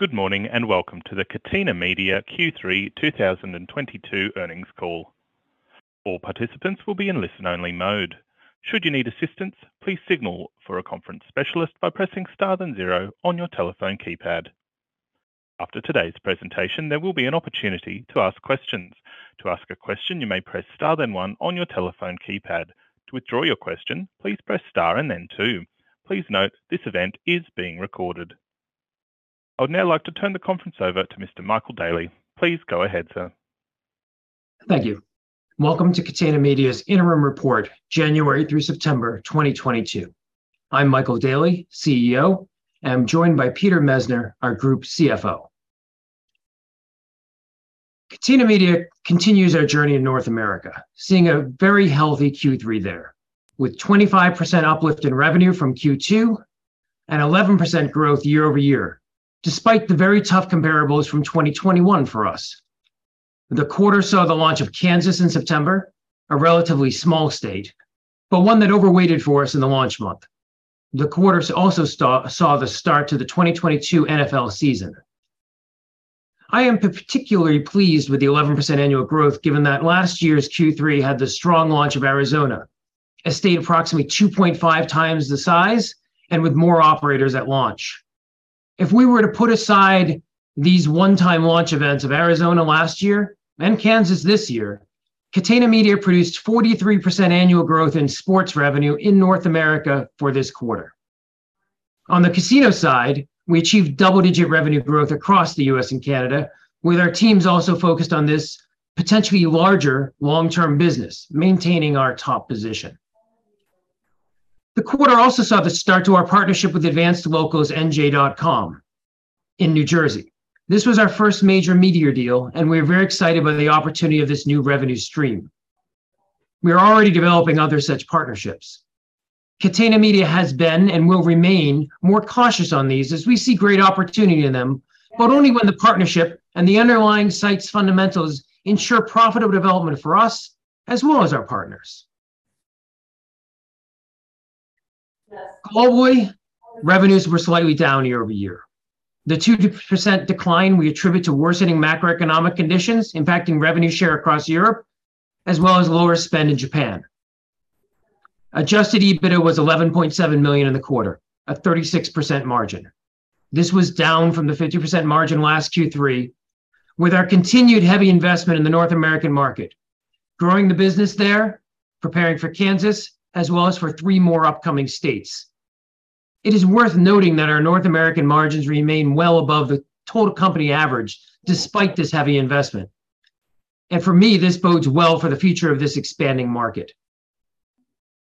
Good morning, and welcome to the Catena Media Q3 2022 Earnings Call. All participants will be in listen-only mode. Should you need assistance, please signal for a conference specialist by pressing star then zero on your telephone keypad. After today's presentation, there will be an opportunity to ask questions. To ask a question, you may press star then one on your telephone keypad. To withdraw your question, please press star and then two. Please note, this event is being recorded. I would now like to turn the conference over to Mr. Michael Daly. Please go ahead, sir. Thank you. Welcome to Catena Media's interim report, January through September 2022. I'm Michael Daly, CEO, and I'm joined by Peter Messner, our Group CFO. Catena Media continues our journey in North America, seeing a very healthy Q3 there, with 25% uplift in revenue from Q2 and 11% growth year-over-year, despite the very tough comparables from 2021 for us. The quarter saw the launch of Kansas in September, a relatively small state, but one that overweighted for us in the launch month. The quarter also saw the start to the 2022 NFL season. I am particularly pleased with the 11% annual growth, given that last year's Q3 had the strong launch of Arizona, a state approximately 2.5x the size and with more operators at launch. If we were to put aside these one-time launch events of Arizona last year and Kansas this year, Catena Media produced 43% annual growth in sports revenue in North America for this quarter. On the casino side, we achieved double-digit revenue growth across the U.S. and Canada, with our teams also focused on this potentially larger long-term business, maintaining our top position. The quarter also saw the start to our partnership with Advance Local NJ.com in New Jersey. This was our first major media deal, and we're very excited by the opportunity of this new revenue stream. We are already developing other such partnerships. Catena Media has been and will remain more cautious on these, as we see great opportunity in them, but only when the partnership and the underlying site's fundamentals ensure profitable development for us as well as our partners. Globally, revenues were slightly down year-over-year. The 2% decline we attribute to worsening macroeconomic conditions impacting revenue share across Europe as well as lower spend in Japan. Adjusted EBITA was 11.7 million in the quarter, a 36% margin. This was down from the 50% margin last Q3 with our continued heavy investment in the North American market, growing the business there, preparing for Kansas, as well as for three more upcoming states. It is worth noting that our North American margins remain well above the total company average despite this heavy investment. For me, this bodes well for the future of this expanding market.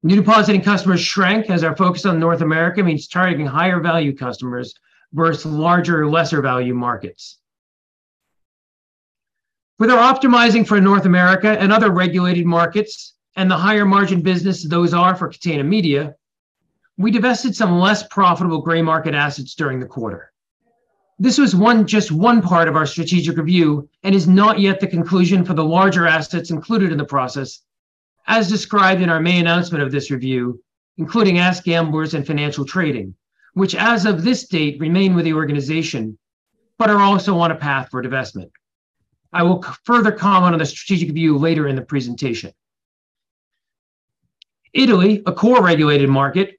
New depositing customers shrank as our focus on North America means targeting higher-value customers versus larger lesser-value markets. With our optimizing for North America and other regulated markets and the higher-margin business those are for Catena Media, we divested some less profitable gray market assets during the quarter. This was just one part of our strategic review and is not yet the conclusion for the larger assets included in the process as described in our main announcement of this review, including AskGamblers and Financial Trading, which, as of this date, remain with the organization but are also on a path for divestment. I will further comment on the strategic view later in the presentation. Italy, a core regulated market,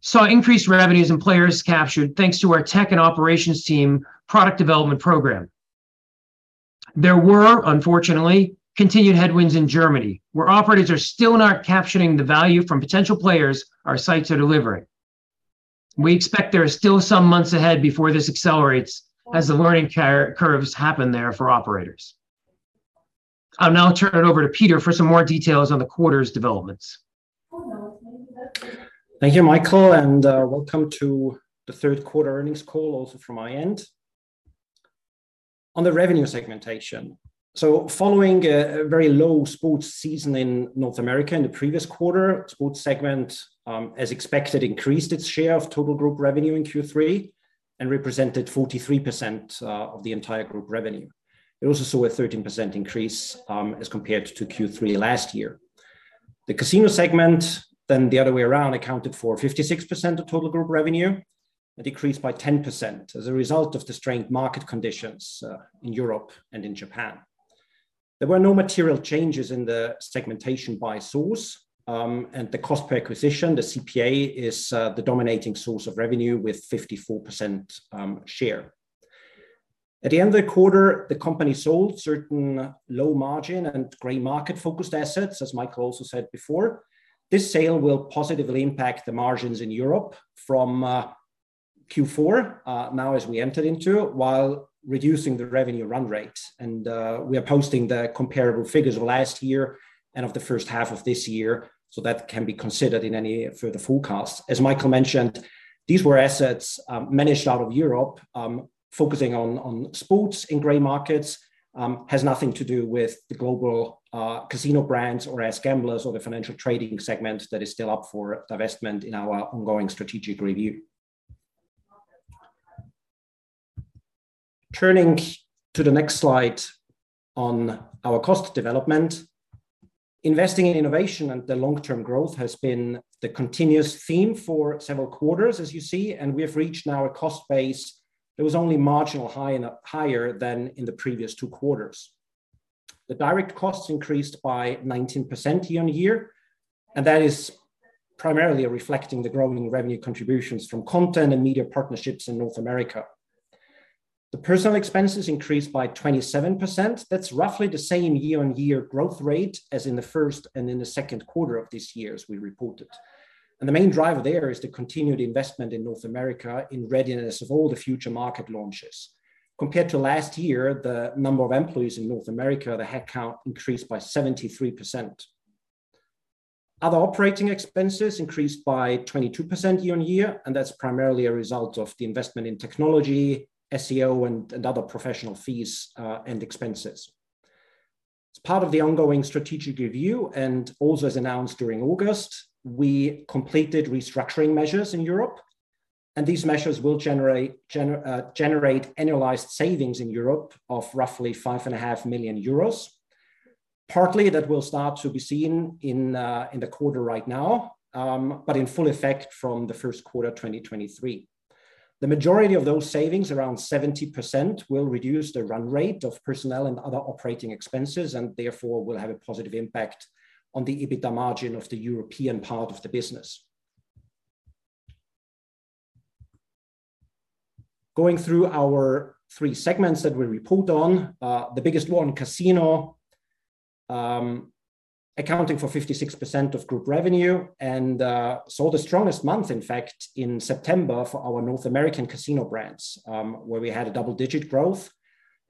saw increased revenues and players captured, thanks to our tech and operations team product development program. There were, unfortunately, continued headwinds in Germany, where operators are still not capturing the value from potential players our sites are delivering. We expect there are still some months ahead before this accelerates as the learning curves happen there for operators. I'll now turn it over to Peter for some more details on the quarter's developments. Thank you, Michael, and welcome to the third quarter earnings call also from my end. On the revenue segmentation, following a very low sports season in North America in the previous quarter, sports segment, as expected, increased its share of total group revenue in Q3 and represented 43% of the entire group revenue. It also saw a 13% increase as compared to Q3 last year. The casino segment then the other way around accounted for 56% of total group revenue, a decrease by 10% as a result of the strained market conditions in Europe and in Japan. There were no material changes in the segmentation by source, and the cost per acquisition, the CPA, is the dominating source of revenue with 54% share. At the end of the quarter, the company sold certain low-margin and gray market-focused assets, as Michael also said before. This sale will positively impact the margins in Europe from Q4 now as we entered into, while reducing the revenue run rates. We are posting the comparable figures of last year and of the first half of this year, so that can be considered in any further forecast. As Michael mentioned, these were assets managed out of Europe focusing on sports in gray markets. Has nothing to do with the global casino brands or AskGamblers or the Financial Trading segment that is still up for divestment in our ongoing strategic review. Turning to the next slide on our cost development. Investing in innovation and the long-term growth has been the continuous theme for several quarters, as you see, and we have reached now a cost base that was only marginally higher than in the previous two quarters. The direct costs increased by 19% year-on-year, and that is primarily reflecting the growing revenue contributions from content and media partnerships in North America. The personnel expenses increased by 27%. That's roughly the same year-on-year growth rate as in the first and in the second quarter of this year as we reported. The main driver there is the continued investment in North America in readiness of all the future market launches. Compared to last year, the number of employees in North America, the headcount increased by 73%. Other operating expenses increased by 22% year-on-year, and that's primarily a result of the investment in technology, SEO and other professional fees and expenses. As part of the ongoing strategic review, and also as announced during August, we completed restructuring measures in Europe, and these measures will generate annualized savings in Europe of roughly 5.5 million euros. Partly, that will start to be seen in the quarter right now, but in full effect from the first quarter of 2023. The majority of those savings, around 70%, will reduce the run rate of personnel and other operating expenses, and therefore will have a positive impact on the EBITDA margin of the European part of the business. Going through our three segments that we report on. The biggest one, casino, accounting for 56% of group revenue and saw the strongest month, in fact, in September for our North American casino brands where we had a double-digit growth.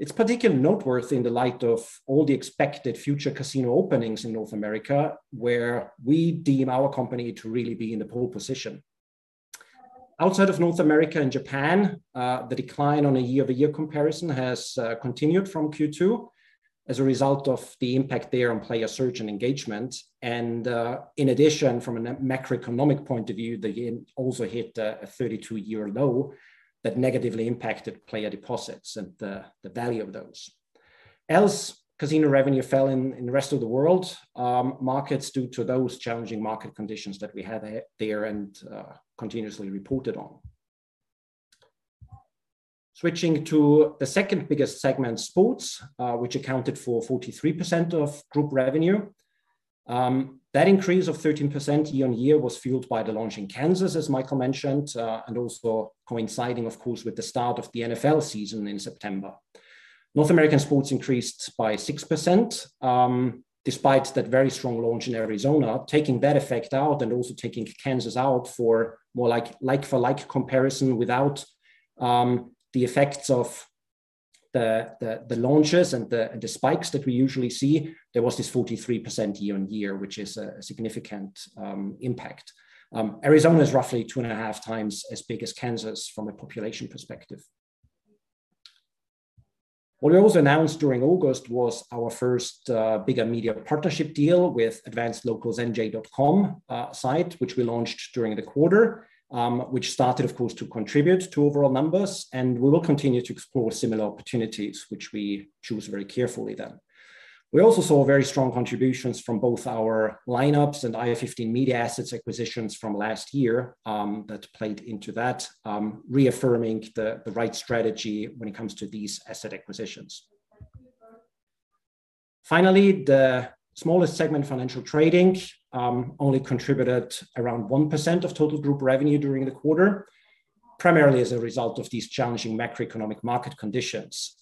It's particularly noteworthy in the light of all the expected future casino openings in North America, where we deem our company to really be in the pole position. Outside of North America and Japan, the decline on a year-over-year comparison has continued from Q2 as a result of the impact there on player search and engagement. In addition, from a macroeconomic point of view, the yen also hit a 32-year low that negatively impacted player deposits and the value of those. Else, casino revenue fell in the rest of the world markets due to those challenging market conditions that we have there and continuously reported on. Switching to the second biggest segment, sports, which accounted for 43% of group revenue, that increase of 13% year-on-year was fueled by the launch in Kansas, as Michael mentioned, and also coinciding of course with the start of the NFL season in September. North American sports increased by 6%, despite that very strong launch in Arizona. Taking that effect out and also taking Kansas out for more like-for-like comparison without the effects of the launches and the spikes that we usually see, there was this 43% year-on-year, which is a significant impact. Arizona is roughly 2.5x as big as Kansas from a population perspective. What we also announced during August was our first bigger media partnership deal with Advance Local's NJ.com site, which we launched during the quarter, which started, of course, to contribute to overall numbers, and we will continue to explore similar opportunities, which we choose very carefully then. We also saw very strong contributions from both our Lineups and i15 Media assets acquisitions from last year that played into that, reaffirming the right strategy when it comes to these asset acquisitions. Finally, the smallest segment, Financial Trading, only contributed around 1% of total group revenue during the quarter, primarily as a result of these challenging macroeconomic market conditions.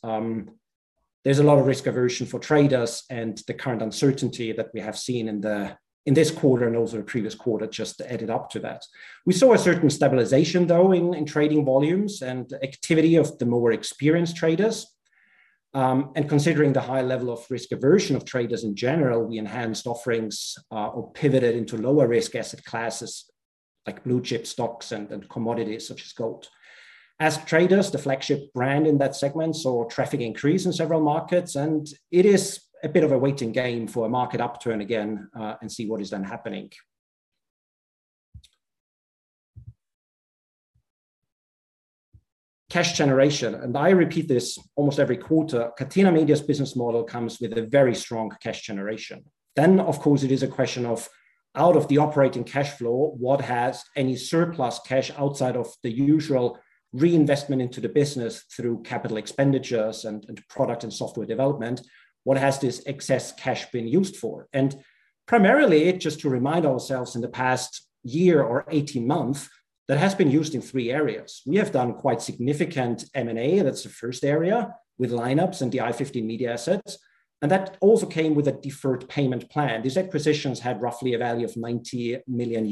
There's a lot of risk aversion for traders and the current uncertainty that we have seen in this quarter and also the previous quarter just added up to that. We saw a certain stabilization, though, in trading volumes and activity of the more experienced traders. Considering the high level of risk aversion of traders in general, we enhanced offerings or pivoted into lower risk asset classes like blue-chip stocks and commodities such as gold. AskTraders, the flagship brand in that segment saw traffic increase in several markets, and it is a bit of a waiting game for a market upturn again and see what is then happening. Cash generation, and I repeat this almost every quarter, Catena Media's business model comes with a very strong cash generation. Of course, it is a question of, out of the operating cash flow, what has any surplus cash outside of the usual reinvestment into the business through capital expenditures and product and software development, what has this excess cash been used for? Primarily, just to remind ourselves, in the past year or 18 months, that has been used in three areas. We have done quite significant M&A, that's the first area, with Lineups and the i15 Media assets, and that also came with a deferred payment plan. These acquisitions had roughly a value of $90 million.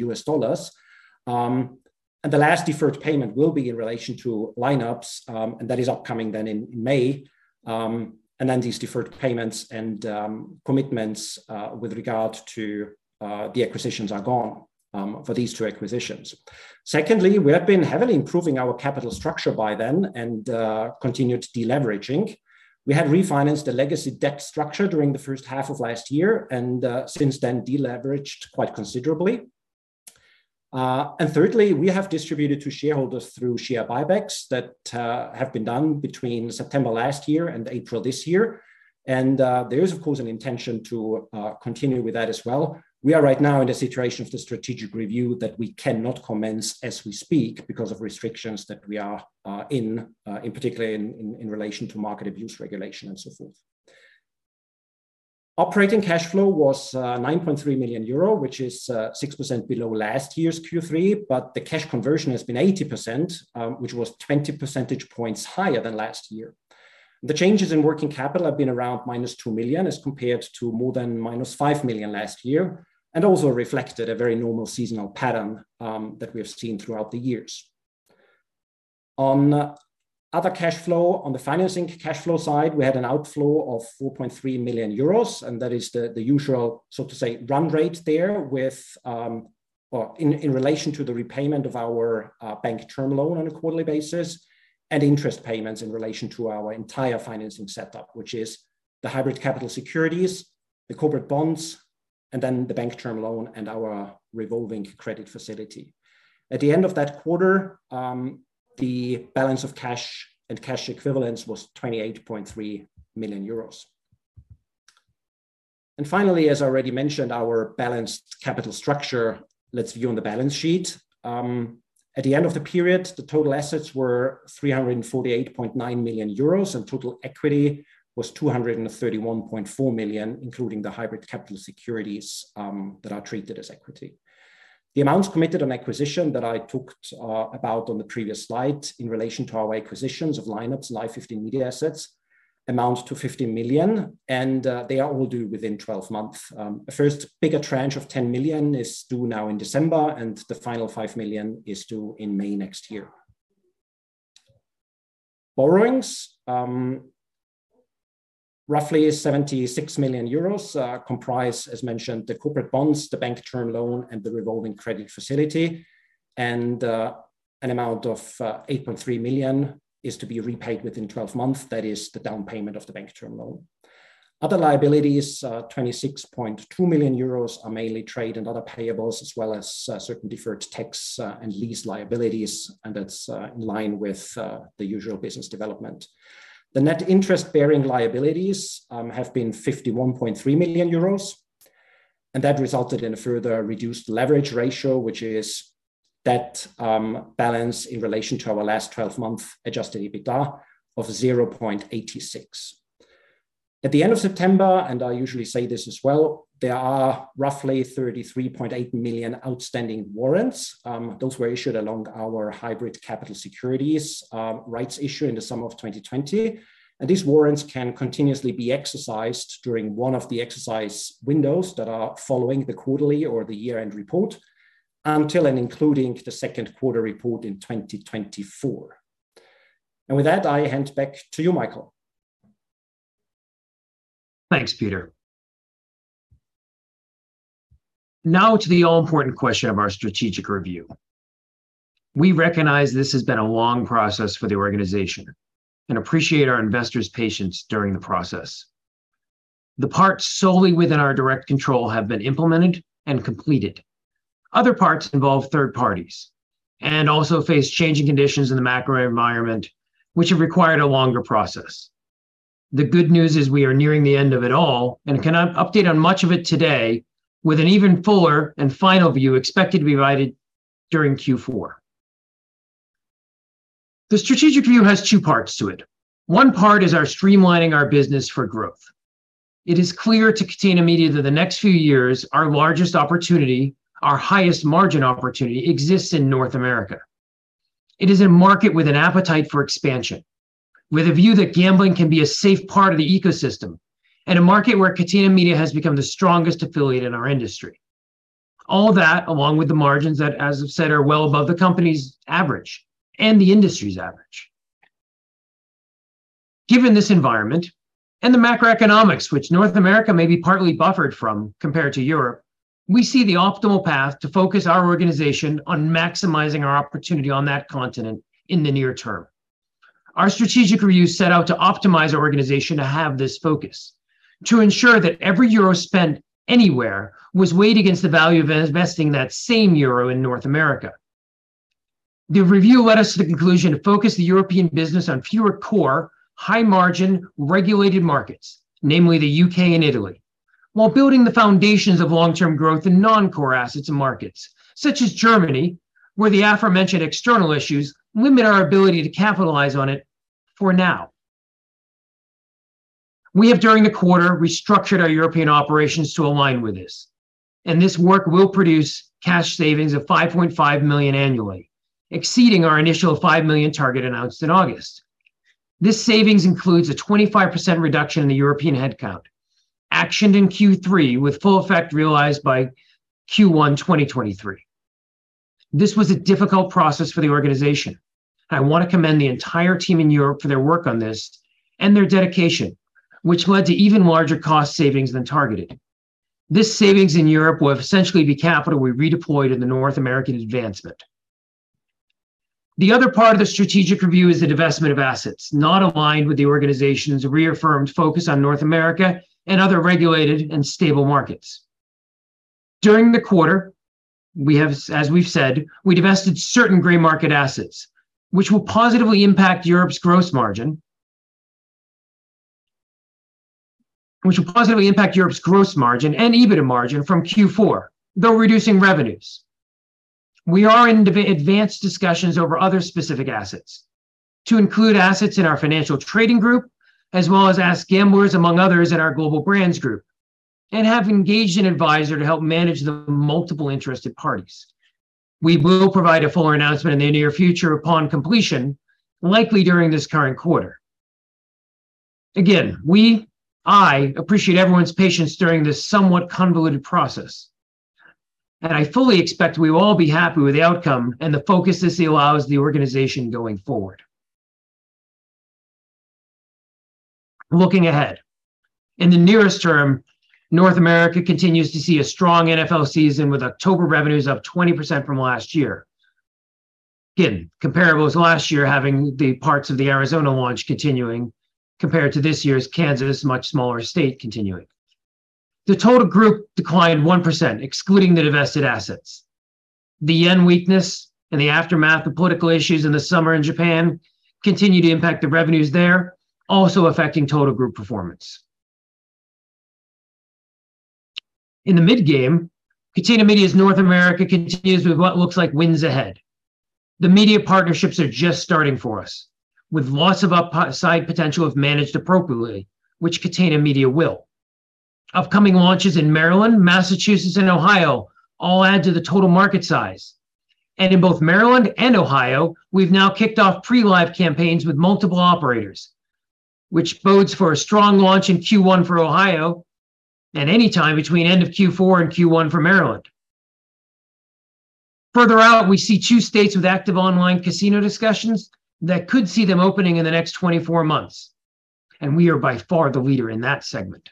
The last deferred payment will be in relation to Lineups, and that is upcoming then in May. These deferred payments and commitments with regard to the acquisitions are gone for these two acquisitions. Secondly, we have been heavily improving our capital structure by then and continued deleveraging. We had refinanced the legacy debt structure during the first half of last year and since then deleveraged quite considerably. Thirdly, we have distributed to shareholders through share buybacks that have been done between September last year and April this year. There is of course an intention to continue with that as well. We are right now in the situation of the strategic review that we cannot commence as we speak because of restrictions that we are in particular in relation to Market Abuse Regulation and so forth. Operating cash flow was 9.3 million euro, which is 6% below last year's Q3, but the cash conversion has been 80%, which was 20 percentage points higher than last year. The changes in working capital have been around -2 million as compared to more than -5 million last year, and also reflected a very normal seasonal pattern that we have seen throughout the years. On other cash flow, on the financing cash flow side, we had an outflow of 4.3 million euros, and that is the usual, so to say, run rate there with or in relation to the repayment of our bank term loan on a quarterly basis and interest payments in relation to our entire financing setup, which is the hybrid capital securities, the corporate bonds, and then the bank term loan and our revolving credit facility. At the end of that quarter, the balance of cash and cash equivalents was 28.3 million euros. Finally, as I already mentioned, our balanced capital structure, let's view on the balance sheet. At the end of the period, the total assets were 348.9 million euros, and total equity was 231.4 million, including the hybrid capital securities that are treated as equity. The amounts committed on acquisition that I talked about on the previous slide in relation to our acquisitions of Lineups i15 Media assets amount to 50 million, and they are all due within 12 months. The first bigger tranche of 10 million is due now in December, and the final 5 million is due in May next year. Borrowings, roughly 76 million euros, comprise, as mentioned, the corporate bonds, the bank term loan, and the revolving credit facility. An amount of 8.3 million is to be repaid within 12 months, that is the down payment of the bank term loan. Other liabilities, 26.2 million euros are mainly trade and other payables, as well as certain deferred tax and lease liabilities, and that's in line with the usual business development. The net interest-bearing liabilities have been 51.3 million euros, and that resulted in a further reduced leverage ratio, which is that balance in relation to our last 12-month adjusted EBITDA of 0.86. At the end of September, and I usually say this as well, there are roughly 33.8 million outstanding warrants. Those were issued along our hybrid capital securities rights issue in the summer of 2020. These warrants can continuously be exercised during one of the exercise windows that are following the quarterly or the year-end report until and including the second quarter report in 2024. With that, I hand back to you, Michael. Thanks, Peter. Now to the all-important question of our strategic review. We recognize this has been a long process for the organization and appreciate our investors' patience during the process. The parts solely within our direct control have been implemented and completed. Other parts involve third parties and also face changing conditions in the macro environment, which have required a longer process. The good news is we are nearing the end of it all, and I cannot update on much of it today with an even fuller and final view expected to be provided during Q4. The strategic review has two parts to it. One part is our streamlining our business for growth. It is clear to Catena Media that the next few years, our largest opportunity, our highest margin opportunity exists in North America. It is a market with an appetite for expansion, with a view that gambling can be a safe part of the ecosystem and a market where Catena Media has become the strongest affiliate in our industry. All that, along with the margins that, as I've said, are well above the company's average and the industry's average, given this environment and the macroeconomics which North America may be partly buffered from compared to Europe, we see the optimal path to focus our organization on maximizing our opportunity on that continent in the near term. Our strategic review set out to optimize our organization to have this focus, to ensure that every euro spent anywhere was weighed against the value of investing that same euro in North America. The review led us to the conclusion to focus the European business on fewer core, high-margin, regulated markets, namely the U.K. and Italy, while building the foundations of long-term growth in non-core assets and markets, such as Germany, where the aforementioned external issues limit our ability to capitalize on it for now. We have, during the quarter, restructured our European operations to align with this, and this work will produce cash savings of 5.5 million annually, exceeding our initial 5 million target announced in August. This savings includes a 25% reduction in the European headcount, actioned in Q3 with full effect realized by Q1 2023. This was a difficult process for the organization. I wanna commend the entire team in Europe for their work on this and their dedication, which led to even larger cost savings than targeted. This savings in Europe will essentially be capital we redeployed in the North American advancement. The other part of the strategic review is the divestment of assets not aligned with the organization's reaffirmed focus on North America and other regulated and stable markets. During the quarter, as we've said, we divested certain gray market assets which will positively impact Europe's gross margin and EBITA margin from Q4, though reducing revenues. We are in advanced discussions over other specific assets to include assets in our Financial Trading group as well as AskGamblers, among others, in our Global Brands group, and have engaged an advisor to help manage the multiple interested parties. We will provide a fuller announcement in the near future upon completion, likely during this current quarter. Again, I appreciate everyone's patience during this somewhat convoluted process, and I fully expect we will all be happy with the outcome and the focus this allows the organization going forward. Looking ahead, in the nearest term, North America continues to see a strong NFL season, with October revenues up 20% from last year. Again, comparable to last year, having the parts of the Arizona launch continuing compared to this year's Kansas, much smaller state continuing. The total group declined 1%, excluding the divested assets. The yen weakness and the aftermath of political issues in the summer in Japan continue to impact the revenues there, also affecting total group performance. In the midgame, Catena Media's North America continues with what looks like wins ahead. The media partnerships are just starting for us, with lots of upside potential if managed appropriately, which Catena Media will. Upcoming launches in Maryland, Massachusetts, and Ohio all add to the total market size. In both Maryland and Ohio, we've now kicked off pre-live campaigns with multiple operators, which bodes for a strong launch in Q1 for Ohio and any time between end of Q4 and Q1 for Maryland. Further out, we see two states with active online casino discussions that could see them opening in the next 24 months, and we are by far the leader in that segment.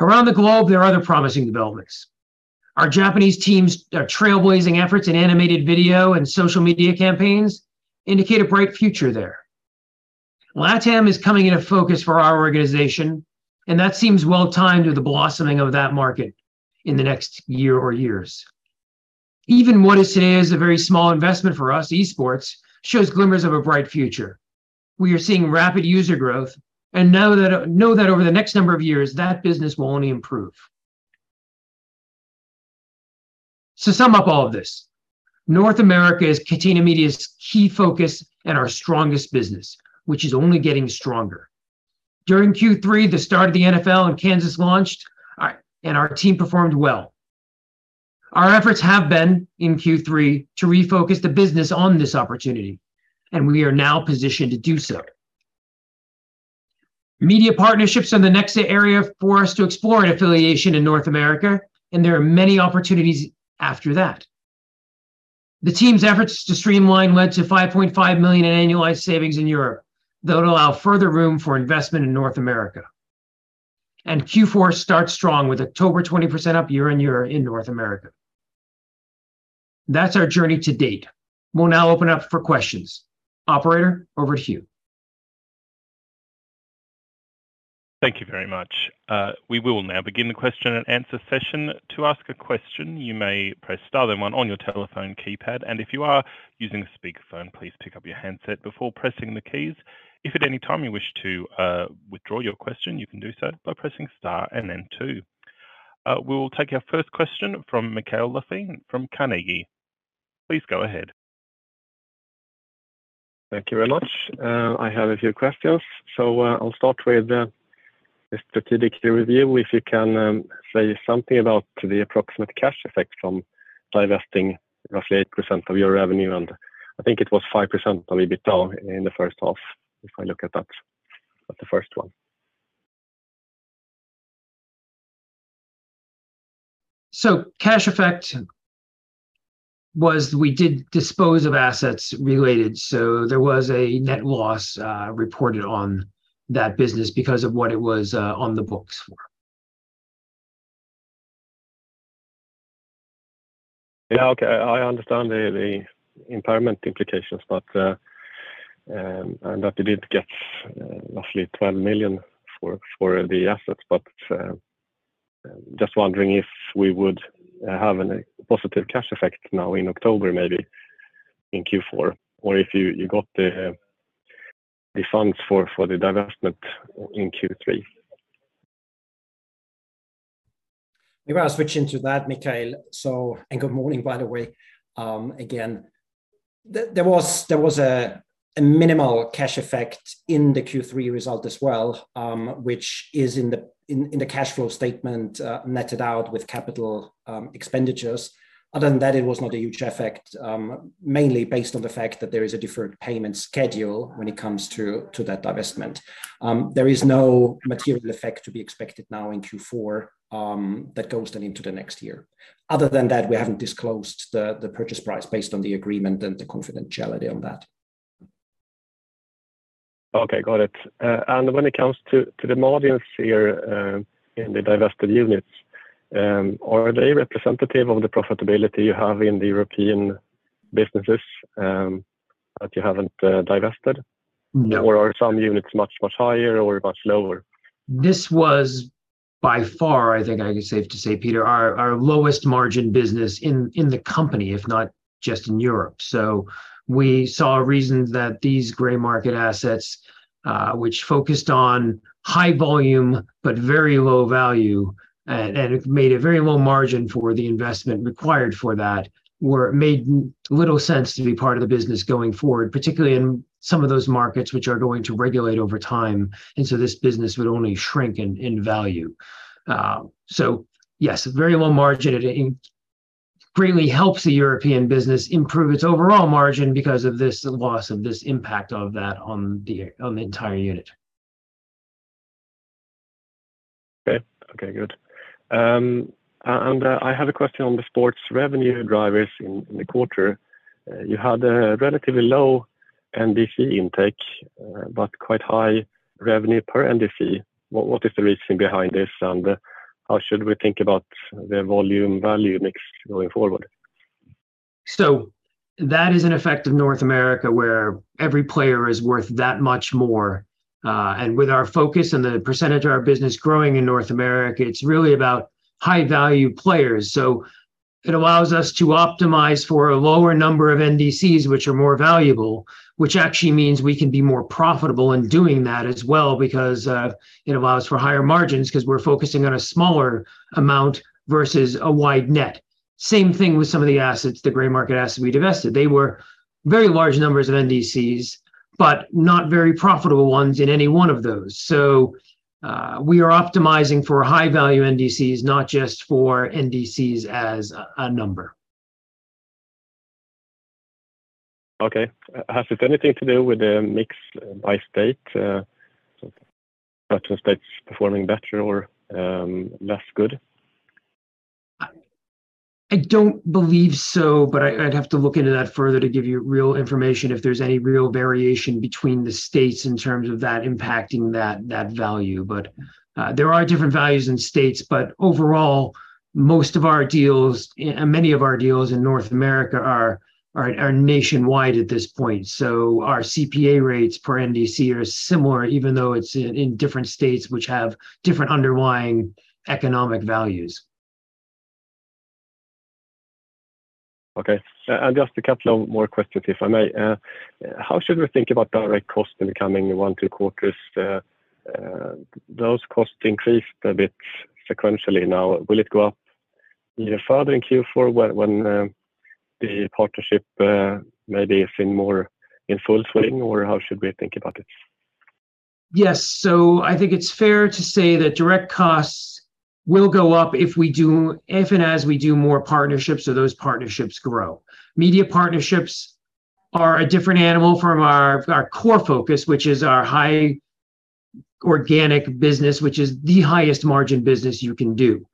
Around the globe, there are other promising developments. Our Japanese team's trailblazing efforts in animated video and social media campaigns indicate a bright future there. LATAM is coming into focus for our organization, and that seems well-timed with the blossoming of that market in the next year or years. Even what is today is a very small investment for us, esports, shows glimmers of a bright future. We are seeing rapid user growth and know that over the next number of years, that business will only improve. To sum up all of this, North America is Catena Media's key focus and our strongest business, which is only getting stronger. During Q3, the start of the NFL and Kansas launched, and our team performed well. Our efforts have been, in Q3, to refocus the business on this opportunity, and we are now positioned to do so. Media partnerships are the next area for us to explore an affiliation in North America, and there are many opportunities after that. The team's efforts to streamline led to 5.5 million in annualized savings in Europe. That'll allow further room for investment in North America. Q4 starts strong with October 20% up year-on-year in North America. That's our journey to date. We'll now open up for questions. Operator, over to you. Thank you very much. We will now begin the question and answer session. To ask a question, you may press star then one on your telephone keypad. If you are using a speakerphone, please pick up your handset before pressing the keys. If at any time you wish to withdraw your question, you can do so by pressing star and then two. We will take our first question from Mikael Laséen from Carnegie. Please go ahead. Thank you very much. I have a few questions. I'll start with the strategic review. If you can say something about the approximate cash effect from divesting roughly 8% of your revenue, and I think it was 5% of EBITA in the first half, if I look at that for the first one. Cash effect was we did dispose of assets related, so there was a net loss reported on that business because of what it was on the books for. Yeah. Okay. I understand the impairment implications and that you did get roughly 12 million for the assets. Just wondering if we would have any positive cash effect now in October, maybe in Q4, or if you got the funds for the divestment in Q3? Maybe I'll switch into that, Mikael. Good morning, by the way, again. There was a minimal cash effect in the Q3 result as well, which is in the cash flow statement, netted out with capital expenditures. Other than that, it was not a huge effect, mainly based on the fact that there is a deferred payment schedule when it comes to that divestment. There is no material effect to be expected now in Q4, that goes then into the next year. Other than that, we haven't disclosed the purchase price based on the agreement and the confidentiality on that. Okay, got it. When it comes to the margins here in the divested units, are they representative of the profitability you have in the European businesses that you haven't divested? No. Are some units much, much higher or much lower? This was by far, I think I can, safe to say, Peter, our lowest margin business in the company, if not just in Europe. We saw reasons that these gray market assets, which focused on high volume but very low value, and it made a very low margin for the investment required for that, made little sense to be part of the business going forward, particularly in some of those markets which are going to regulate over time. This business would only shrink in value. Yes, very low margin. It greatly helps the European business improve its overall margin because of this loss, of this impact of that on the entire unit. Okay, good. I have a question on the sports revenue drivers in the quarter. You had a relatively low NDC intake but quite high revenue per NDC. What is the reasoning behind this and how should we think about the volume value mix going forward? That is an effect of North America, where every player is worth that much more. With our focus and the percentage of our business growing in North America, it's really about high-value players. It allows us to optimize for a lower number of NDCs, which are more valuable, which actually means we can be more profitable in doing that as well because it allows for higher margins 'cause we're focusing on a smaller amount versus a wide net. Same thing with some of the assets, the gray market assets we divested. They were very large numbers of NDCs, but not very profitable ones in any one of those. We are optimizing for high-value NDCs, not just for NDCs as a number. Okay. Has it anything to do with the mix by state? Certain states performing better or less good? I don't believe so, but I'd have to look into that further to give you real information if there's any real variation between the states in terms of that impacting that value. There are different values in states, but overall, most of our deals and many of our deals in North America are nationwide at this point. Our CPA rates per NDC are similar, even though it's in different states which have different underlying economic values. Okay. Just a couple of more questions, if I may. How should we think about direct costs in the coming one, two quarters? Those costs increased a bit sequentially now. Will it go up even further in Q4 when the partnership maybe is in full swing, or how should we think about it? Yes. I think it's fair to say that direct costs will go up if and as we do more partnerships or those partnerships grow. Media partnerships are a different animal from our core focus, which is our high organic business, which is the highest margin business you can do.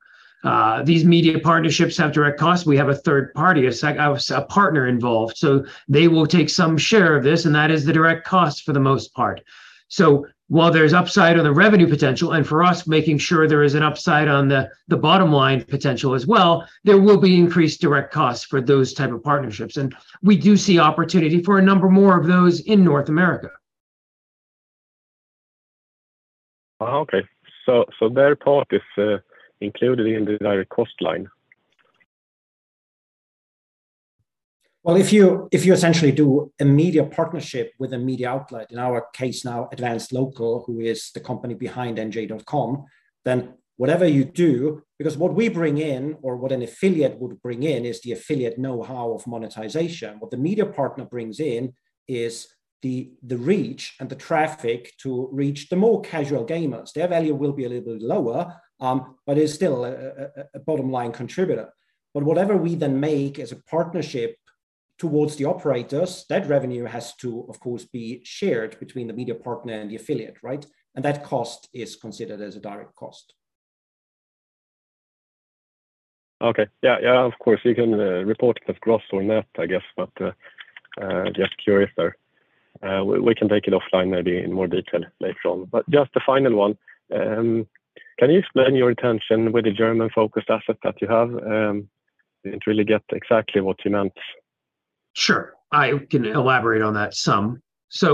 These media partnerships have direct costs. We have a third party, a partner involved, so they will take some share of this, and that is the direct cost for the most part. While there's upside on the revenue potential, and for us, making sure there is an upside on the bottom line potential as well, there will be increased direct costs for those type of partnerships. We do see opportunity for a number more of those in North America. Okay. Their part is included in the direct cost line? Well, if you essentially do a media partnership with a media outlet, in our case now Advance Local, who is the company behind NJ.com. Because what we bring in, or what an affiliate would bring in, is the affiliate know-how of monetization. What the media partner brings in is the reach and the traffic to reach the more casual gamers. Their value will be a little bit lower, but is still a bottom-line contributor. Whatever we then make as a partnership towards the operators, that revenue has to, of course, be shared between the media partner and the affiliate, right? That cost is considered as a direct cost. Okay. Yeah, of course, you can report it as gross or net, I guess, but just curious there. We can take it offline maybe in more detail later on. Just a final one, can you explain your intention with the German-focused asset that you have? Didn't really get exactly what you meant. Sure. I can elaborate on that some.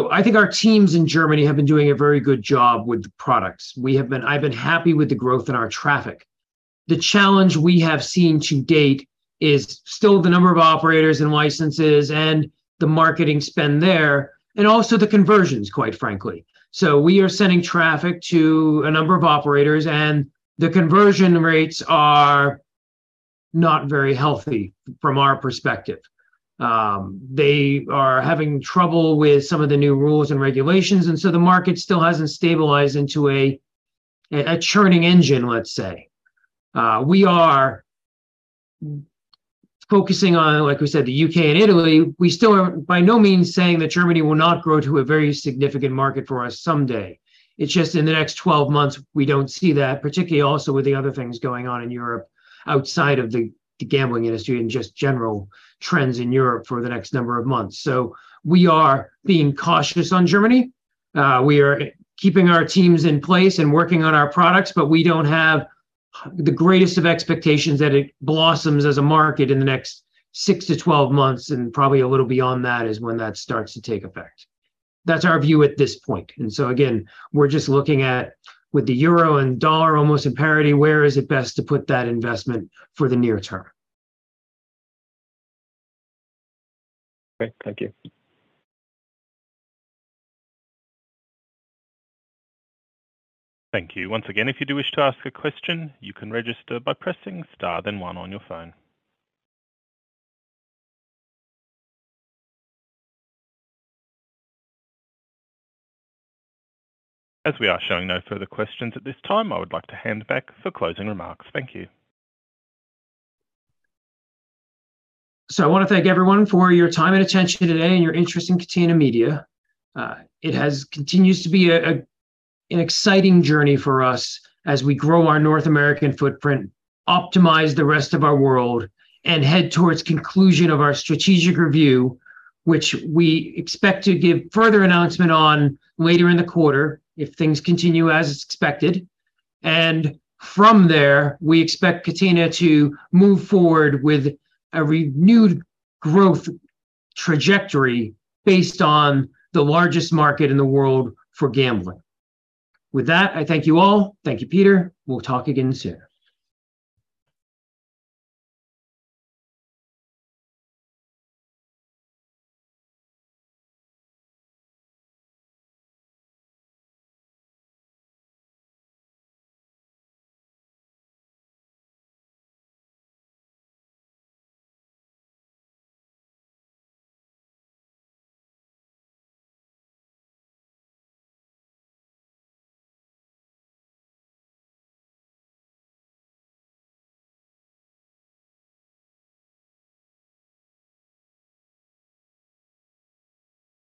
I think our teams in Germany have been doing a very good job with the products. I've been happy with the growth in our traffic. The challenge we have seen to date is still the number of operators and licenses and the marketing spend there, and also the conversions, quite frankly. We are sending traffic to a number of operators, and the conversion rates are not very healthy from our perspective. They are having trouble with some of the new rules and regulations, and so the market still hasn't stabilized into a churning engine, let's say. We are focusing on, like we said, the U.K. and Italy. We still are by no means saying that Germany will not grow to a very significant market for us someday. It's just in the next 12 months, we don't see that, particularly also with the other things going on in Europe outside of the gambling industry and just general trends in Europe for the next number of months. We are being cautious on Germany. We are keeping our teams in place and working on our products, but we don't have the greatest of expectations that it blossoms as a market in the next six to 12 months, and probably a little beyond that, is when that starts to take effect. That's our view at this point. Again, we're just looking at with the euro and dollar almost at parity, where is it best to put that investment for the near term? Great. Thank you. Thank you. Once again, if you do wish to ask a question, you can register by pressing star then one on your phone. As we are showing no further questions at this time, I would like to hand back for closing remarks. Thank you. I wanna thank everyone for your time and attention today and your interest in Catena Media. It continues to be an exciting journey for us as we grow our North American footprint, optimize the rest of our world, and head towards conclusion of our strategic review, which we expect to give further announcement on later in the quarter if things continue as expected. From there, we expect Catena to move forward with a renewed growth trajectory based on the largest market in the world for gambling. With that, I thank you all. Thank you, Peter. We'll talk again soon.